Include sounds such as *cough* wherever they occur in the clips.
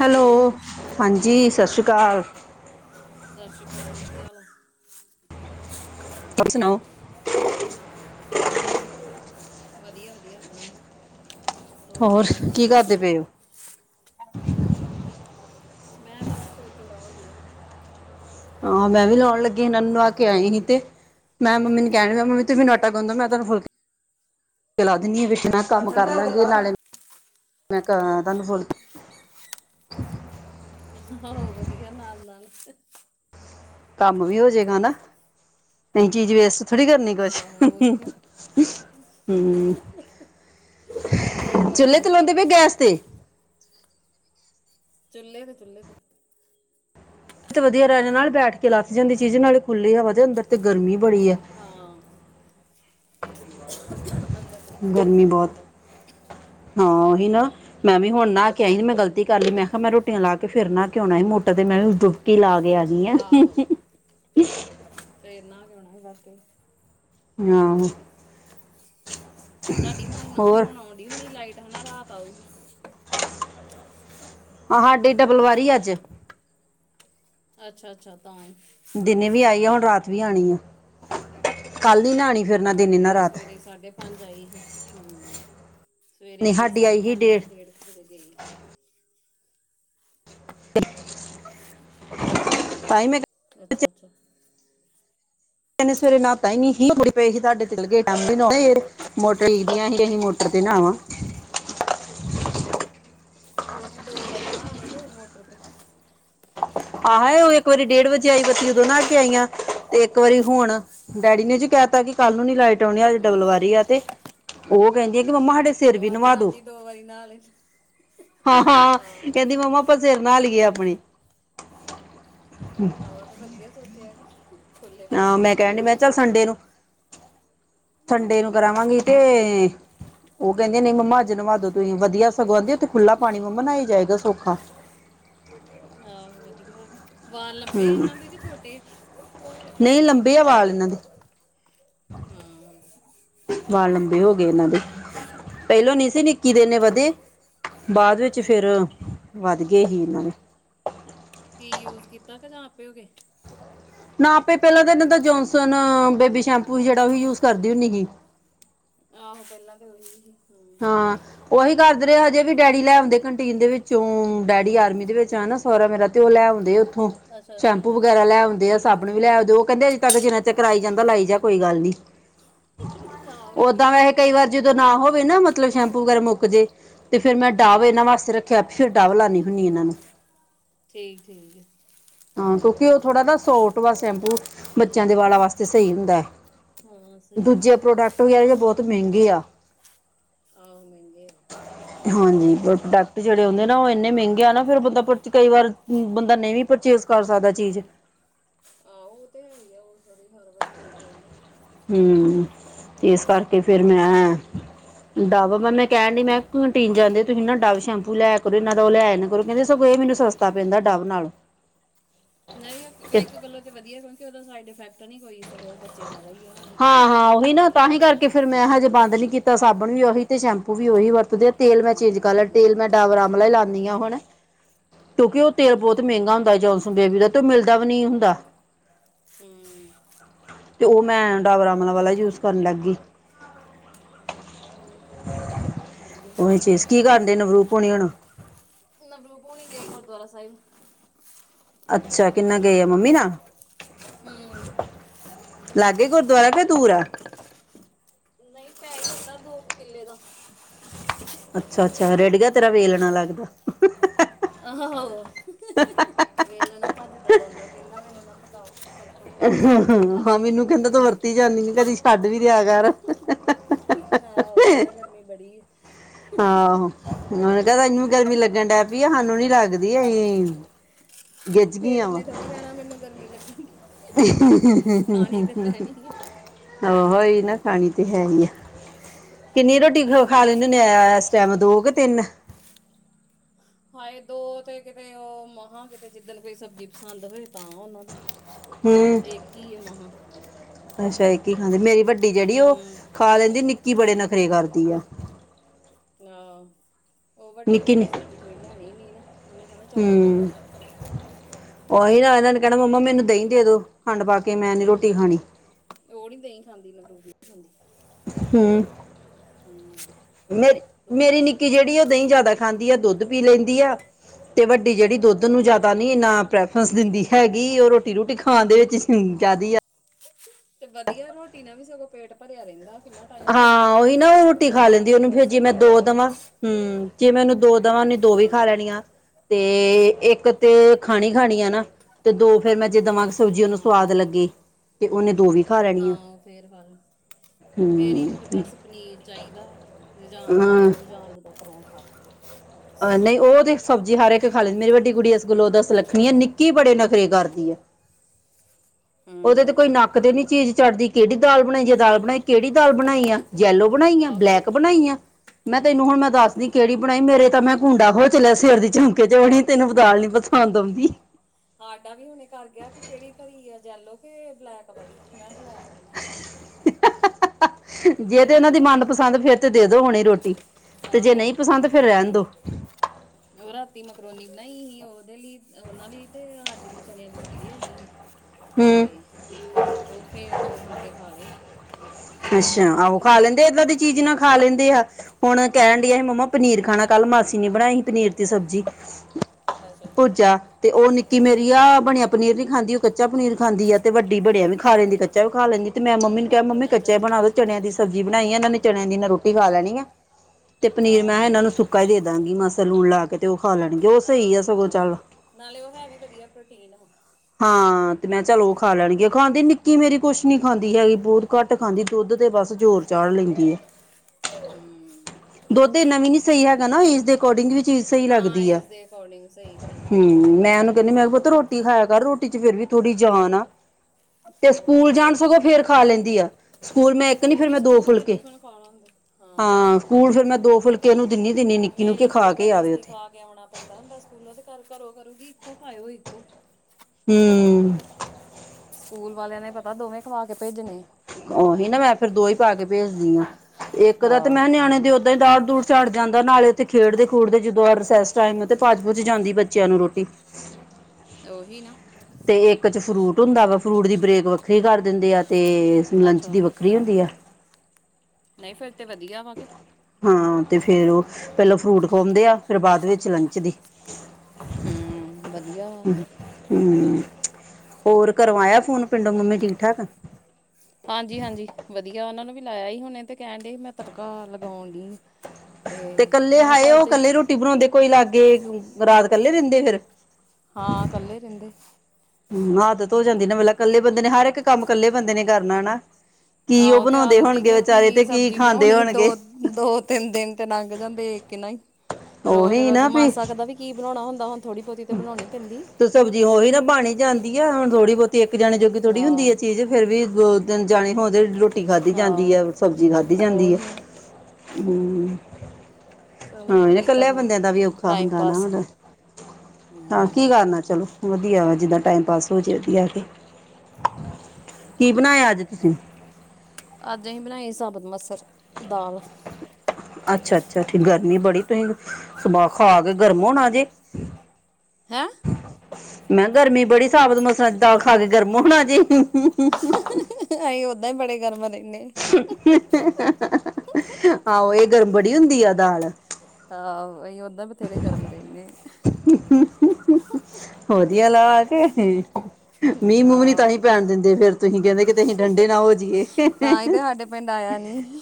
Hello. ਹਾਂਜੀ, ਸਤਿ ਸ਼੍ਰੀ ਅਕਾਲ। ਘਰ- ਸਤਿ ਸ੍ਰੀ ਅਕਾਲ। ਕੀ ਹਾਲ ਆ। ਹੋਰ ਸੁਣਾਓ। ਵਧੀਆ-ਵਧੀਆ ਆਪਣਾ ਵੀ। ਹੋਰ ਕੀ ਬਣਦਾ। ਕਰਦੇ ਪਏ ਹੋ ਮੈਂ ਬਸ ਫੁਲਕੇ ਲਹੁਨ ਡਈ ਆ। ਹਾ, ਮੈਂ ਵੀ ਲਾਉਣ ਲੱਗੀ ਇਹਨਾ ਨੂੰ ਨਹਾ ਕੇ ਆਈ ਸੀ ਤੇ ਮੈਂ ਮੰਮੀ ਨੂੰ ਕਿਹਾ, ਮੰਮੀ ਤੁਸੀ ਮੈਨੂੰ ਆਟਾ ਗੁੰਨ ਦਿਓ, ਮੈਂ ਤੁਹਾਨੂੰ ਫੁਲਕੇ ਬਣਾ ਦਿੰਦੀ ਹਾਂ ਬੈਠੇ-ਬੈਠੇ, ਮੈਂ ਕੰਮ ਕਰ ਲਵਾਂਗੇ ਨਾਲੇ ਮੈਂ ਤੁਹਾਨੂੰ ਫੁਲਕੇ- ਆਹੋ, ਵਧੀਆ ਨਾਲ-ਨਾਲ ਕੰਮ ਵੀ ਹੋਜੇਗਾ ਨਾ ਨਹੀ ਚੀਜ਼ ਵੇਸਟ ਥੋੜੀ ਕਰਨੀ ਕੁਛ। ਆਹੋ ਉਹੀ ਨਾ ਹੂੰ। ਦੋ ਫਾਇਦੇ ਚੁੱਲ੍ਹੇ ਤੇ ਲਾਹੁਦੇ ਪਏ, ਲਈਦੇ ਆ ਗੈਸ ਤੇ। ਚੁੱਲੇ ਤੇ, ਚੁੱਲ੍ਹੇ ਤੇ। ਤੇ ਵਧੀਆ ਰਹਿਣ ਨਾਲ ਬੈਠ ਕੇ ਲੱਥ ਜਾਂਦੀ ਚੀਜ਼, ਨਾਲੇ ਖੁੱਲੀ ਹਵਾ ਚ ਅੰਦਰ ਤੇ ਗਰਮੀ ਬੜੀ ਐ। ਹਾਂ *unintelligible* ਅੰਦਰ ਤੇ ਪਸੀਨਾ ਗਰਮੀ ਬੜਾ ਬਹੁਤ ਆਉਦਾ। ਹਾਂ, ਉਹੀ ਨਾ ਮੈਂ ਵੀ ਹੁਣ ਨਹਾ ਕੇ ਆਈ ਮੈਂ ਗਲਤੀ ਕਰ ਲਈ ਮੈਂ ਕਿਹਾ ਮੈਂ ਰੋਟੀਆਂ ਲਾ ਕੇ ਫਿਰ ਨਾ ਕੇ ਆਉਣਾ ਐ ਮੋਟਰ ਤੇ ਮੈਂ ਵੀ ਡੁਬਕੀ ਲਾਕੇ। ਆਂਣੀ ਆ। ਆਹੋ -ਉਣਾ ਸੀ ਵੈਸੇ ਨਾਮ ਤੁਹਾਡੀ ਹੁਣ-ਹੁਣ ਆਉਣ ਡਈ ਹੋਣੀ ਲਾਈਟ ਹਨਾ ਰਾਤ ਆਊਗੀ। ਆਹ, ਸਾਡੀ ਡਬਲਵਾਰੀ ਐ ਅੱਜ। ਅੱਛਾ-ਅੱਛਾ ਤਾਂਹੀ। ਦਿਨੇ ਵੀ ਆਈ ਆ ਹੁਣ ਰਾਤ ਵੀ ਆਣੀ ਆ ਕੱਲ ਹੀ ਨਹਾਣੀ ਤੁਹਾਡੀ ਸਵੇਰੇ ਸਾਢੇ ਪੰਜ ਆਈ ਸੀ। ਹੂੰ ਸਵੇਰੇ ਨਹੀਂ ਆਈ ਸਾਡੀ ਸਾਢੇ ਸੀ ਪੰਜ ਤੇ ਡੇਟ ਲੇਟ ਫਿਰ ਗਈ। ਤਾਂਈ ਮੈਂ ਕਿਹਾ ਅੱਛਾ-ਅੱਛਾ। ਨੇ ਸਵੇਰੇ ਨਹਾਤਾ ਹੀ ਨਹੀਂ ਸੀੜ ਪਏ ਸੀ ਸਾਡੇ ਤੇ ਟੈਮ ਵੀ ਮੋਟਰਦੀਆਂ ਸੀ ਅਸੀਂ ਮੋਟਰ ਤੇ ਨਹਾਵਾਂ *inaudible* ਉਹ ਤੇ ਦੋ ਵਾਰੀ ਨਾ ਆਏ ਗਏ ਮੋਟਰ ਤੇ ਆਹ ਉਹ ਇੱਕ ਵਾਰੀ ਡੇਢ ਵਜੇ ਆਈ ਬੱਤੀ ਉਦੋਂ ਨਾ ਆ ਕੇ ਆਈ ਆਂ ਤੇ ਇੱਕ ਵਾਰੀ ਹੁਣ ਡੈਡੀ ਨੇ ਜੀ ਕਹਿ ਤਾ ਕਿ ਕੱਲ ਨੂੰ ਨੀ ਲਾਈਟ ਆਣੀ ਆ ਅਜ ਡਬਲ ਹਾਂ ਵਾਰੀ ਆ ਤੇ ਉਹ ਕਹਿੰਦੀ ਆਂ ਕਿ ਮੰਮਾ ਸਾਡੇ ਸਿਰ ਉਹ ਵੀ ਨਵਾ ਆਂਦੀਆਂ ਦੋ ਅੱਜ ਹੀ ਵਾਰੀ ਨਹਾ ਲੈਣਾ ਹਾਂ-ਹਾਂ ਆਹੋ ਕਹਿੰਦੀ ਮੰਮਾ ਆਪਾਂ ਸਿਰ ਨਹਾ ਲਈਏ ਆਪਣੀ ਆਹੋ ਤੇ ਵਧੀਆ ਸੋਚਿਆ ਕਿ ਖੁੱਲੇ ਹਾਂ ਪਾਣੀ ਚ ਮੈਂ ਕਹਿਣ ਡੇ ਮੈਂ ਚਲ ਸੰਡੇ ਨੂੰ ਸੰਡੇ ਨੂੰ ਕਰਾਵਾਂਗੀ ਤੇ ਉਹ ਕਹਿੰਦੀ ਨਹੀਂ ਮੰਮਾ ਅੱਜ ਨਵਾਦੋ ਤੁਸੀਂ ਵਧੀਆ ਸਗੋਂ ਆਂਦੀ ਉੱਥੇ ਖੁੱਲ੍ਹਾ ਪਾਣੀ ਮੰਮਾ ਨਾਈ ਜਾਏਗਾ ਸੌਖਾ। ਆਹੋ ਵਧੀਆ? ਵਾਰ ਲੰਬੇ ਹੂੰ ਇਹਨਾਂ ਦੇ ਕਿ ਛੋਟੇ ਬੀਆ ਵਾਲ ਇਹਨਾਂ ਦੇ ਹਾਂ ਵਾਲ ਲੰਬੇ ਹੋ ਵਧੀਆ ਗਏ ਇਹਨਾਂ ਦੇ ਪਹਿਲੋਂ ਨੀ ਸੀ ਨਿੱਕੀ ਦੇ ਇਹਨੇ ਵਧੀ ਵੱਧੇ ਬਾਅਦ ਵਿੱਚ ਹੂੰ ਫਿਰ ਵੱਧ ਗਏ ਹੀ ਇਹਨਾਂ ਨੇ ਕੀ ਯੂਜ ਕੀਤਾ ਕਿ? ਜਾਂ ਆਪਿਓਗੇ ਨਾ ਆਪੇ ਪਹਿਲਾਂ ਤਾਂ ਇਹਨਾਂ ਦਾ ਜੌਹਨਸਨ ਬੇਬੀ ਸ਼ੈਂਪੂ ਜਿਹੜਾ ਉਹ ਯੂਜ ਕਰਦੀ ਹੁੰਣੀ ਗੀ ਆਹੋ ਪਹਿਲਾਂ ਤਾਂ ਉਹੀ ਸੀ ਹੂੰ ਹਾਂ ਉਹੀ ਕਰਦੇ ਰਹੇ ਹਜੇ ਵੀ ਡੈਡੀ ਲੈ ਆਉਂਦੇ ਕੰਟੀਨ ਦੇ ਵਿੱਚੋਂ ਡੈਡੀ ਆਰਮੀ ਦੇ ਵਿੱਚ ਆ ਨਾ ਸਹਰਾ ਮੇਰਾ ਤੇ ਉਹ ਲੈ ਆਉਂਦੇ ਉ ਓਹ ਅੱਛਾ ਅੱਛਾ ਸੈਂਪੂ ਵਗੈਰਾ ਲੈ ਆਉਂਦੇ ਆ। ਠੀਕ ਸਾਬਣ ਠੀਕ ਵੀ ਲੈ ਆਉਦੇ ਉਹ ਕਹਿੰਦੇ ਅਜੇ ਤੱਕ ਜਿਨਾ ਚ ਕਰਰਾਈ ਕਹਿੰਦਾ ਲਾਈ ਜਾ ਕੋਈ ਗੱਲ ਨੀ। ਆਹੋ ਓਹਦਾਂ ਵਧੀਆ ਆ ਵੈਸੇ ਕੇ ਕਈ ਵਾਰ ਜਦੋਂ ਨਾ ਹੋ ਮਤਲਬ ਸ਼ੈਂਪੂ ਵਗੈਰਾ ਮੁੱਕ ਜੇ ਤੇ ਫੇਰ ਮੈਂ ਡਵ ਇਹਨਾਂ ਵਾਸਤੇ ਰੱਖਿਆ ਫਿਰ ਡੱਵ ਲਾਨੀ ਹੁੰਨੀ ਇਹਨਾਂ ਨੂੰ ਠੀਕ ਠੀਕ ਹਾਂ ਕਿਉਂਕਿ ਉਹ ਥੋੜਾ ਨਾ ਸੋਟ ਵਾ ਸ਼ੈਂਪੂ ਬੱਚਿਆਂ ਦੇ ਵਾਲਾਂ ਵਾਸਤੇ ਸਹੀ ਹੁੰਦਾ ਹਾਂ ਹੈ ਸਹੀ ਦੂਜੇ ਹੁੰਦਾ ਪ੍ਰੋਡਕਟ ਵੀ ਆ ਬਹੁਤ ਤ ਮਹਿੰਗੇ ਆ ਆਹੋ ਮਹਿੰਗੇ ਆ ਹਾਂਜੀ *unintelligible* ਤਜਿਹੜੇ ਹੁੰਦੇ ਨਾ ਉਹ ਇੰਨੇ ਮਹਿੰਗੇ ਆ ਨਾ ਫਿਰ ਬੰਦਾ ਪਚ ਕਈ ਵਾਰ ਬੰਦਾ ਨਹੀਂ ਵੀ ਪਰਚੇਸ ਕਰ ਸਕਦਾ ਚੀਜ਼ ਆਹੋ ਉਹ ਤੇ ਹੈ ਹੀ ਆ ਉਹਾਰੀ ਹਰ ਵਾਰੀ ਹੋਈ ਜਾਊਗੀ ਹਮ ਤੇ ਇਸ ਕਰਕੇ ਫਿਰ ਮੈਂ ਡੱਬ ਮੈਂ ਕਹਿਣ ਡੀ ਕੈਂਟੀਨ ਜਾਂਦੇ ਤੁਸੀਂ ਨਾ ਡਵ ਸ਼ੈਂਪੂ ਲਿਆ ਕਰੋ ਇਹਨਾਂ ਦਾ ਉਹ ਲੈਯਾ ਨਾ ਕਰੋ ਕਹਿੰਦੇ ਸਗੋਂ ਇਹ ਮੈਨੂੰ ਸਸਤਾ ਪੈਂਦਾ ਡੱਬ ਨਾਲੋ ਨਹੀਂ ਏਕ ਗੱਲੋਂ ਤੇ ਵਧੀਆ ਕਿਉਂਕਿ ਉਹਦਾ ਸਾਈਡ ਇਫੈਕਟ ਨੀ ਕੋਈ ਸਗੋਂ ਬੱਚਿਆਂ ਵਾਲਾ ਹੀ ਆ ਇਹ। ਹਾਂ-ਹਾਂ ਉਹੀ ਨਾ ਜਿੱਦਾਂ ਤਾਂਹੀ ਕਰਕੇ ਛੋਟੇ ਫਿਰ ਬੱਚੇ ਮੈਂ ਲਈ ਹਜੇ ਯੂਜ਼ ਬੰਦ ਕਰਦੇ ਨੀ ਕੀਤਾ ਸਾਬਣ ਵੀ ਉਹੀ ਤੇ ਸ਼ੈਂਪੂ ਵੀ ਉਹੀ ਵਰਤਦੇ ਆ ਤੇਲ ਹਾਂ ਮੈਂ ਚੇਂਜ ਕਰ ਲਿਆ ਵਧੀਆ ਤੇਲ ਮੈਂ ਡਾਬਰ ਆਮਲਾ ਹੀ ਲਾਉਂਦੀ ਹਾਂ ਹੁਣ ਕਿਉਂਕਿ ਉਹ ਅੱਛਾ ਤੇਲ ਅੱਛਾ ਬਹੁਤ ਮਹਿੰਗਾ ਹੁੰਦਾ ਜੌਨ ਬੇਵੀ ਦਾ ਤੂੰ ਮਿਲਦਾ ਵੀ ਨੀ ਹੁੰਦਾ ਹਮ ਤੇ ਉਹ ਮੈਂ ਡਾਬਰ ਆਮਲਾ ਵਾਲਾ ਯੂਜ ਕਰਨ ਲੱਗ ਗਈ ਚਲੋ *unintelligible* ਵਧੀਆ ਉਹਨੇ ਚੀਜ਼ ਕੀ ਕਰਦੇ ਨਵਰੂਪ ਹੋਣੀ ਹੁਣ ਨਵਰੂਪ ਹੋਣੀ ਗਏ ਗੁਰਦੁਆਰਾ ਅ ਸਾਈ *unintelligible* ਅੱਛਾ ਕਿੰਨਾ ਗਏ ਆ ਮੰਮੀ ਨਾ ਹੂੰ ਲਾਗੇ ਗੁਰਦੁਆਰਾ ਕ ਦੂਰ ਆ ਨਹੀਂ ਪੈਈ ਜਾਂਦਾ ਦੋ ਕੁ ਕਿੱਲੇ ਦਾ ਅੱਛਾ ਅੱਛਾ ਰੇਡਗ ਤੇਰਾ ਵੇਲਣਾ ਹੂੰ ਲੱਗਦਾ ਦ *unintelligible* ਵੇਲਣਾ ਭੱਜਦਾ ਜਾਂਦਾ ਕਹਿੰਦਾ ਮੈਨੂੰ ਨਾ ਬਤਾਓ ਵਰਤੋਂ ਹੁਣ ਬਸ ਹਾਂ ਮੈਨੂੰ ਕਰੋ ਕਹਿੰਦਾ ਤੂੰ ਵਰਤੀ ਜਾਂਦੀ ਨੀ ਕਦੀ ਛੱਡ ਵੀ ਦਿਆ ਕਰ ਆਹੋ ਕਹਿੰਦਾ ਗਰਮੀ ਬੜੀ ਆ ਆਹੋ ਉਹਨੂੰ ਕਹਿੰਦਾ ਇਨੂੰ ਗਰਮੀ ਲੱਗਣ ਡਹਿ ਪਈ ਆ ਸਾਨੂੰ ਨੀ ਲੱਗਦੀ ਅਹੀਂ ਪੇਟ ਨੇ ਥੋੜੀ ਗਾਣਾ ਮੈਨੂੰ ਗ *unintelligible* ਹੂੰ, ਹੈ *unintelligible* ਹੋਈ ਨਾ ਖਾਣੀ ਤੇ ਹੈ ਹੀ ਐ। ਕਿੰਨੀ ਰੋਟੀ ਖ ਖਾ ਹੋਰ ਲੈਂਦੇ ਐ ਨੇ ਇਸ ਟਾਈਮ ਦੋ ਕਿ ਤਿੰਨ ਆਾਏ ਦੋ ਤੇ ਕਿਤੇ ਉਹ ਮਹਾ ਕਿਤੇ ਜਿੱਦਣ ਕੋਈ ਸਬਜ਼ੀ ਪਸੰਦ ਹੋਏ ਤਾਂ ਉਹਨਾਂ ਦਾ, ਹੂੰ ਇੱਕ ਹੀ ਆ ਮ ਅੱਛਾ ਇੱਕ ਹੀ ਖਾਂਦੀ ਮੇਰੀ ਵੱਡੀ ਜਿਹੜੀ ਉਹ ਹੂੰ ਖਾ ਲੈਂਦੀ ਐ ਨਿੱ ਕੀ ਬੜੇ ਨਖਰੇ ਕਰਦੀ ਆ। ਆਹ, ਉਹ ਵੱਡੀ ਨੇ ਤੇ ਸਬਜ਼ੀ ਕੋਈ ਲੈਣੀ ਨਹੀਂ ਨਾ। ਉਹਨੇ ਕਹਿੰਦਾ ਚਾਰ ਦੇਤਾ, ਹੂੰ ਉਹੀ ਨਾ ਇਹਨਾਂ ਨੇ ਕਹਿਣਾ ਮੰਮਾ ਮੈਨੂੰ ਦਹੀ ਦੇਦੋ ਖੰਡ ਪਾ ਕੇ, ਮੈਂ ਨੀ ਰੋਟੀ ਹੂੰ, ਖਾਣੀ ਉਹ ਨੀ ਦਹੀਂ ਖਾਂਦੀ ਕਦੇ ਵੀ, ਹਾਂਜੀ, ਹੂੰ, ਦੁੱਧ ਮੇਰੀ-ਮੇਰੀ ਦੀ ਨਿੱਕੀ ਜਿਹੜੀ ਉਹ ਦਹੀਂ ਜਿਆਦਾ ਖਾਂਦੀ ਐ। ਆ ਦੁੱਧ ਪੀ ਲੈਂਦੀ ਆ ਤੇ ਵੱਡੇ, ਜਿਹੜੀ ਦੁੱਧ ਨੂੰ ਜ਼ਿਆਦਾ ਨ ਇਨਾ, ਬ੍ਰੇਕਫਾਸਟ ਦਿੰਦੀ ਹੈਗੀ ਉਹ ਰੋਟੀ-ਰੁਟੀ ਖਾਣ ਦੇ ਵਿੱਚ ਜ਼ਿਆਦਾ ਈ ਆ। ਤੇ ਵਧੀਆ ਹੁਣ ਰੋਟੀ ਨਾਲ ਵੀ ਸਗੋਂ ਪੇਟ ਭਰਿਆ ਰਹਿਗਾ। ਹਾਂ ਉਹੀ ਨਾ ਉਹ ਰੋਟੀ ਖਾ ਨਾਲ ਲੈਂਦੀ ਕੀ ਉਹਨੂੰ ਫ਼ਿਰ ਉਸੇ ਜੇ ਮੈਂ ਵੇਲੇ ਉਹ ਦੋ ਤੇ ਦਵਾਂ, ਹੂੰ, ਜੇ ਮੈਂ ਉਹਨੂੰ ਦੋ ਦਵਾਂ ਉਹਨੇ ਦੋ ਵੀ ਖਾ ਹੂੰ ਲੈਣੀਆਂ ਤੇ ਇੱਕ ਤੇ ਖਾਣੀ-ਖਾਣੀ ਆ ਨਾ, ਤੇ ਦੋ ਫੇਰ ਮੈਂ ਜੇ ਦਵਾਂਗੇ ਸਬਜ਼ੀ ਉਹਨੂੰ ਸਵਾਦ ਹਾਂ ਲੱਗੀ, ਤੇ ਉਹਨੇ ਦੋ ਹੀ ਹਾਂ ਉਹ ਫੇਰ ਗੱਲ, ਮੇਰੀ ਨੂੰ ਤੇ ਹੂੰ ਬਸ ਪਨੀਰ ਚਾਹੀਦਾ ਜਾਂ ਆਲੂ ਜਾਂ ਆਲੂ ਦਾ ਪਰੌਠਾ। *unintelligible* ਅਹ ਨਹੀਂ ਉਹ ਤੇ ਸਬਜ਼ੀ ਹਰ ਇੱਕ ਖਾ ਲੈਂਦੀ, ਮੇਰੀ ਵੱਡੀ ਕੁੜੀ ਇਸ ਗਲੋਂ ਦੱਸ ਲੱ ਖਣੀ ਨੀ ਇਹ ਨਿੱਕੀ ਬੜੇ ਨਖਰੇ ਕਰਦੀ ਏ। ਉਹਦੇ ਤੇ ਹੂੰ ਕੋਈ ਨੱਕ ਤੇ ਨੀ ਚੀਜ਼ ਚੜਦੀ, ਕਿਹੜੀ ਦਾਲ ਬਣਾਈ, ਜੇ ਦਾਲ ਬਣਾਈ। ਕਿਹੜੀ ਦਾਲ ਬਣਾਈ ਆ, ਯੈਲੋ ਬਣਾਈ ਆ, ਆਹੋ ਬਲੈਕ ਕਿਹੜੀ ਦਾ ਬਣਾਈ ਆ? ਮੈਂ ਤੈਨੂੰ ਹੁਣ ਮੈਂ ਦੱਸ ਨ ਕਿਹੜੀ ਬਣਾਈ ਮੇਰੇ ਤਾਂ ਮੈਂ ਕੁੰਡਾ ਖੋਹ ਚਲਿਆ, ਸਵੇਰ ਦੀ ਚੌਂਕੇ ਚੜ੍ਹੀ, ਤੈਨੂੰ ਦਾਲ ਨੀ ਪਸੰਦ ਆਦੀ। ਆਡਾ ਵੀ ਹੁਣੇ, ਵਾਲੀ *unintelligible* ਜੇ ਤੇ ਉਹਨਾਂ ਦੀ ਮਨ ਪਸੰਦ ਫੇਰ ਤੇ ਦੇ ਦੋ ਹੁਣੇ ਰੋਟੀ, ਤੇ ਜੇ ਆਹ ਨਹੀਂ ਪਸੰਦ ਫਿਰ ਫੇਰ ਰਹਿਣ ਦੇ ਦੋ। ਨਹੀਂ ਹੀ ਉਹਦੇ ਲਈ, ਉਹਨਾਂ ਦੀ ਤੇ ਸਾਡੇ ਲਈ ਚਣਿਆਂ ਦੀ ਸਬਜ਼ੀ ਹੈਗੀ ਏ। ਹੂੰ ਤੇ ਉਹ ਫਿਰ ਦੋ ਫੁਲਕੇ ਖਾ ਲਏ ਤੇ ਓਦਾਂ ਅੱਛਾ-ਆਹੋ ਨੀ ਖਾ ਲੈਂਦੇ, ਏਦਾਂ ਦੀ ਚੀਜ਼ ਨਾ ਖਾ ਲੈਂਦੇ ਆ, ਹੁਣ ਕਹਿਣ ਹਾਂ ਡਏ ਮੰਮਾ ਪਨੀਰ ਖਾਣਾ, ਕੱਲ ਮਾਸੀ ਨੇ ਬਣਾਈ ਪਨੀਰ ਦੀ ਸਬਜ਼ੀ ਅੱਛਾ ਭੁੱਜਾ, ਤੇ ਉਹ ਨਿੱਕੀ ਮੇਰੀ ਆ ਬਣਿਆ ਪਨੀਰ ਵੀ ਖਾਂਦੀ ਉਹ ਕੱਚਾ ਪਨੀਰ ਖਾਂਦੀ ਆ ਤੇ ਵੱਡੀ ਬਣਿਆ ਵੀ ਖਾ ਲੈਂਦੀ, ਕੱਚਾ ਵੀ ਖਾ ਲੈਂਦੀ। ਤੇ ਮੈਂ ਮੰਮੀ ਨੂੰ ਕਿਹਾ ਅੱਛਾ ਕੱਚਾ ਅੱਛਾ ਬਣਾ ਦੋ, ਚਣਿਆਂ ਦੀ ਸਬਜ਼ੀ ਬਣਾਈ ਆ ਇਹਨਾਂ ਨੇ। ਚਣਿਆਂ ਦੀ ਨਾਲ ਰੋਟੀ ਖਾ ਲੈਣੀ ਆ। ਤੇ ਪਨੀਰ ਮੈਂ ਹਾਂ ਇਹਨਾਂ ਨੂੰ ਸੁੱਕਾ ਹੀ ਦੇ ਦਾਂਗੀ ਮਾਸਾ ਲੂਣ ਲਾ ਕੇ। ਤੇ ਉਹ ਖਾ ਲੈਣਗੇ। ਉਹ ਸਹੀ ਆ ਆਹੋ ਖਾ ਸਗੋਂ ਲੈਣ ਚੱਲ, ਨਾਲੇ ਉਹ ਹੈ ਵੀ ਵਧੀਆ ਪ੍ਰੋਟੀਨ ਆ ਹਮ ਹਾਂ। ਤੇ ਮੈਂ ਚਲ ਉਹ ਖਾ ਲੈਣ ਗੇ, ਖਾਂਦੀ ਨਿੱਕੀ ਮੇਰੀ ਕੁਛ ਨੀ ਖਾਂਦੀ ਹੈਗੀ ਬਹੁਤ ਘੱਟ ਖਾਂਦੀ ਦੁੱਧ ਤੇ ਬਸ ਚੋਲ ਚਾੜ੍ਹ ਲੈਂਦੀ ਹੈ। ਦੁੱਧ ਇੰਨਾ ਵੀ ਨੀ ਸਹੀ ਨਿਆਣੇ ਹੈਗਾ ਨੂੰ ਨਾ ਏਜ ਪਸੰਦ ਦੇ ਅਕੋਡਿੰਗ ਵੀ ਚੀਜ਼ ਸਹੀ ਹਾਂ ਲੱਗਦੀ ਆ। ਇਸਦੇ ਅਕੋਰਡਿੰਗ ਸਹੀ ਗੱਲ ਆ ਹਮ, ਮੈਂ ਉਹਨੂੰ ਕਹਿੰਦੀ ਮੈਂ ਕਿਹਾ ਪੁੱਤਰ ਰੋਟੀ ਖਾਇਆ ਕਰ, ਰੋਟੀ ਚ ਫਿਰ ਵੀ ਥੋੜੀ ਜਵਾਨ ਤੇ ਉਹੀ ਸਕੂਲ ਨਾ ਜਾਣ ਰੋਟੀ ਚ ਸਗੋਂ ਫਿਰ ਥੋੜ ਖਾ ਲੈਂਦੀ ਆ। ਸਕੂਲ ਮੈਂ ਏਕ ਨੀ ਫਿਰ ਉਹੀ ਮੈਂ ਦੋ ਸਕੂਲ ਤੇ ਫੁਲਕੇ ਟਿਫਨ ਖਾਣਾ ਹੁੰਦਾ ਹਾਂ ਸਕੂਲ ਫੇਰ ਮੈਂ ਦੋ ਫੁਲਕੇ ਨੂੰ ਦਿੰਨੀ ਦਿੰਨੀ ਨਿੱਕੀ ਮੇਰੀ ਕਿ ਨੂੰ ਖਾ ਕੇ ਆਵੇ ਜਬਰਦਸਤੀ ਉੱਥੇ ਖਾ ਕੇ ਆਉਣਾ ਪੈਂਦਾ ਹੁੰਦਾ ਸਕੂਲੋਂ ਓਦੇ ਕਰ ਘਰੋ ਕਰੋਗੀ ਇੱਕੋ ਪਾਇਓ ਇੱਕੋ। *unintelligible* ਸਕੂਲ ਵਾਲਿਆਂ ਨੇ ਪਤਾ ਦੋਵੇਂ ਖਵਾ ਕੇ ਭੇਜਣੇ। ਓਹੀ ਨਾ ਮੈਂ ਫਿਰ ਦੋ ਦੋ ਈ ਪਾ ਕੇ ਭੇਜਦੀ ਆਂ। ਇੱਕ ਤਾਂ ਤੇ ਹਾਂ ਮੈਂ ਨਿਆਣੇ ਦੀ ਓਦਾਂ ਹੀ ਦਾੜ ਦੂੜ ਚੜ ਜਾਂਦਾ ਨਾਲੇ ਓਥੇ ਖੇਡਦੇ ਖੂਡਦੇ ਜਿਦੋਂ ਆ ਰਸੈਸ ਟਾਈਮ ਤੇ ਪਚ ਪੁਜ ਜਾਂਦੀ ਬੱਚੇਆਂ ਨੂੰ ਰੋਟੀ। ਓਹੀ ਨਾ। ਤੇ ਇੱਕ ਚ ਫਰੂਟ ਹੁੰਦਾ ਵਾ ਫਰੂਟ ਦੀ ਬਰੇਕ ਵੱਖਰੀ ਕਰ ਦਿੰਦੇ ਆ। ਤੇ ਲੰਚ ਅੱਛਾ ਦੀ ਵੱਖਰੀ ਹੁੰਦੀ ਆ। ਨਹੀਂ ਫਿਰ ਤੇ ਵਧੀਆ ਵਾ ਕੇ। ਹਾਂ ਤੇ ਫਿਰ ਉਹ ਪਹਿਲੋਂ ਫਰੂਟ ਖਵਾਉਂਦੇ ਆ ਫਿਰ ਬਾਦ ਵਿੱਚ ਲੰਚ ਦੀ ਹੂੰ ਵਧੀਆ। ਹੂੰ। ਹੋਰ ਘਰੋਂ ਆਇਆ ਫੋਨ ਪਿੰਡੋ ਮੰਮੀ ਠੀਕ ਠਾਕ? ਹਾਂਜੀ ਹਾਂਜੀ ਵਧੀਆ ਉਹਨਾ ਨੂੰ ਵੀ ਲਾਇਆ ਹੀ ਹੁਣੇ ਤੇ ਕਹਿਣ ਡੇ ਹੀ ਮੈਂ ਤੜਕਾ ਲਗਾਉਣ ਡੀ ਆਂ। ਤੇ ਕੱਲੇ ਹਾਏ ਉਹ ਕੱਲੇ ਰੋਟੀ ਬਣਾਉਂਦੇ ਕੋਈ ਲਾ ਗੇ ਰਾਤ ਕੱਲੇ ਰਹਿੰਦੇ ਫੇਰ ਹਾਂ ਕੱਲੇ ਰਹਿੰਦੇ। ਹੂੰ ਆਦਤ ਹੋ ਜਾਂਦੀ ਨਾ ਮਤਲਬ ਕੱਲੇ ਬੰਦੇ ਨੇ ਹਰ ਇੱਕ ਕੰਮ ਕਲੇ ਬੰਦੇ ਨੇ ਕਰਨਾ ਹਨਾ। ਆਹੋ ਤੇ ਆਦਦ ਹੈ ਕਿ ਕੀ ਸਬਜ਼ੀ ਖਾਂਦੇ ਬਣਾਉਣੀ ਹੋਣਗੇ ਦੋ ਦੋ ਤਿੰਨ ਦਿਨ ਤੇ ਲੰਘ ਜਾਂਦੇ ਇੱਕ ਨਾ ਈ ਰੋਜ਼ ਉਹੀ ਰੋਜ਼ ਨਾ ਮਾਸਾਕ ਦਾ ਵੀ ਕੀ ਬਣਾਉਣਾ ਹੁੰ ਤੇ ਸਬਜ਼ੀ ਉਹੀ ਨਾ ਬਣ ਈ ਜਾਂਦੀ ਆ ਹੁਣ ਥੋੜ੍ਹੀ ਬੋਤ ਤੇ ਇੱਕ ਜਾਣੇ ਜੋਗੀ ਥੋੜੀ ਹੁੰਦੀ ਆਹੋ ਏ ਚੀਜ਼ ਫੇਰ ਵੀ ਜਾਣੇ ਹੋਜੇ ਲੂ ਰੋਟੀ ਖਾਦੀ ਜਾਂਦੀ ਆਹੋ ਹੈ ਸਬਜ਼ੀ ਖਾਦੀ ਜਾਂਦੀ ਐ। ਉਹੀ ਆ, ਹੂੰ। ਚਲੋ ਹਾਂ ਨ ਕੀ ਕੱਲਿਆਂ ਕਰਨਾ ਬੰਦਿਆਂ ਦਾ ਵੀ ਔਖਾ ਟਾਈਮ ਹੁੰਦਾ ਨਾ ਪਾਸ ਵ ਹਾਂ ਹਮ ਕੀ ਕਰਨਾ ਚਲੋ ਵਧੀਆ ਵਾ ਜਿੱਦਾਂ ਟਾਈਮ ਪਾਸ ਹੋ ਜੇ ਵਧੀਆ ਏ ਤੇ। ਕੀ ਬਣਾਇਆ ਅੱਜ ਤੁਸੀ? ਅੱਜ ਅਹੀਂ ਬਣਾਈ ਸਾਬੁਤ ਮਸਰ। ਦਾਲ। ਅੱਛਾ ਅੱਛਾ ਠੀ ਗਰਮੀ ਬੜੀ ਤੁਹੀਂ ਸੁ ਬਾ ਖਾ ਕੇ ਗਰਮ ਹੋਣਾ ਜੇ। ਹੈਂ। ਮੈਂ ਗਰਮੀ ਬੜੀ ਸਾਬਤ ਮਸਰਾਂ ਦੀ ਦਾਲ ਖਾ ਕੇ ਗਰਮ ਹੋਣਾ ਜੇ। ਅਹੀ ਓਦਾਂ ਈ ਬੜੇ ਗਰਮ ਆ ਤੇ। *unintelligible* ਆਓ ਏ ਗਰਮ ਬੜੀ ਹੁੰਦੀ ਆ ਦਾਲ ਆਹੋ ਅਹੀ ਓਦਾਂ ਬਥੇਰੇ ਗਰਮ ਰਹਿੰਨੇ ਆ *unintelligible* ਵਧੀਆ ਲਾ ਕੇ ਮੀਂਹ ਮੂੰਹ ਨੀ ਤਾਂ ਆਹੋ ਹੀ ਪੈਣ ਦਿੰਦੇ ਫੇਰ ਤੁਹੀ ਕਹਿੰਦੇ ਕਿ ਤੁਸੀਂ ਠੰਡੇ ਨਾ ਹੋ ਜੀਏ ਹੂੰ ਤਾਂ ਹੀ ਤੇ ਸਾਡੇ ਪਿੰਡ ਆਇਆ ਨੀ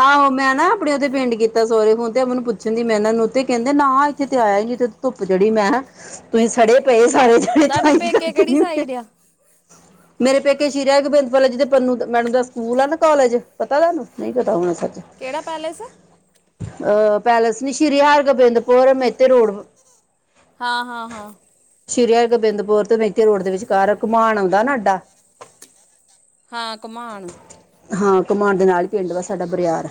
ਆਓ ਮੈਂ ਨਾ ਆਪਣੇ ਓਦੇ ਪਿੰਡ ਕੀਤਾ ਸੋਰੇ ਫੋਨ ਤੇ ਮੈਨੂੰ ਪੁੱਛਣ ਦੀ ਮੈਂ ਐਨਾ ਨੂੰ ਤੇ ਕ *unintelligible* ਨਾ ਇੱਥੇ ਤੇ ਆਇਆ ਨੀ *unintelligible* ਧੁੱਪ ਚੜੀ ਮੈਂਹਾ ਤੁਸੀਂ ਸੜੇ ਪਏ ਸਾਰੇ ਜਣੇ ਤੁਹਾਡੇ ਤਾਈ ਪੇਕੇ ਕਰਕੇ ਕਿਹੜੀ *unintelligible* ਸਾਈਡ ਆ ਮੇਰੇ ਪੇਕੇ ਸ਼ੀਰ ਐ ਗੋਬਿੰਦ ਵਾਲਾ ਜੀ ਦੇ ਪੰਨੂੰ ਮੈਡਮ ਦਾ ਸਕੂਲ ਆ ਨਾ ਕਾਲਜ ਪਤਾ ਤੁਹਾਨੂੰ ਨਹੀਂ ਪਤਾ ਹੋਣਾ ਸੱਚ ਕਿਹੜਾ ਪੈਲੇਸ? ਅ ਪੈਲੇਸ ਨੀ ਸ੍ਰੀ ਹਰ ਗਬਿੰਦ *unintelligible* ਏਤੇ ਰੋਡ ਵ ਹਾਂ-ਹਾਂ-ਹਾਂ ਸ਼੍ਰੀ ਹਰ ਗੋਬਿੰਦਪੁਰ ਤੋ ਮਿਲਕੇ ਰੋਡ ਦੇ ਵਿਚਕਾਰ ਘਮਾਨ ਆਉਂਦਾ ਨਾ ਅੱਡਾ ਹਾਂ ਘਮਾਣ ਘਮਾਣ ਦੇ ਨਾਲ ਈ ਪਿੰਡ ਵਾ ਸਾਡਾ ਬਰਿਆਰ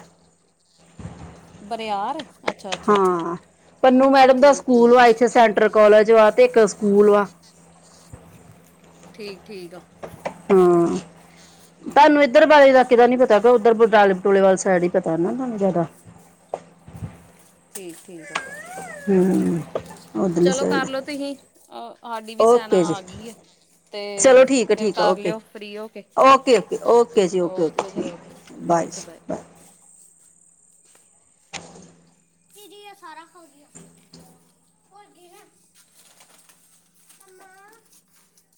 ਬਰਿਆਰ ਅੱਛਾ-ਅੱਛਾ ਪਨੂੰ ਮੈਡਮ ਦਾ ਸਕੂਲ ਵਾ ਇੱਥੇ ਸੈਂਟਰ ਕ ਕੋਲਜ ਵਾ ਤੇ ਇੱਕ ਸਕੂਲ ਵਾ ਠੀਕ ਠੀਕ ਅ ਹਾਂ ਤੁਹਾਨੂ *unintelligible* ਇੱਧ ਬਾਰੇੇ ਦਾ ਚਲ ਕਿਤੇ ਨੀ ਪਤਾ ਗਾ ਉਧਰ *unintelligible* *unintelligible* ਈ ਪਤਾ ਨਾ ਤਾਂਨੂੰ ਜਾਦਾ *unintelligible* ਹੂੰ ਚਲੋ ਕਰਲੋ ਤੁਹੀ ਆਡੀ ਵੀ ਸੈਨਾ ਓਕੇ ਜੀ ਆ ਗਈ ਅ ਤੇ ਚਲੋ ਠੀਕ ਹੈ ਫਿਰ ਠੀਕ ਹੈ ਕਰ ਓਕੇ ਲਿਓ ਫਰੀ ਹੋਕੇ ਓਕੇ ਓਕੇ ਓਕੇ ਜੀ ਓਕੇ ਜੀ ਥੈਂਕ ਓਕੇ ਯੂ, ਓਕੇ ਜੀ ਬਾਏ *unintelligible* *unintelligible*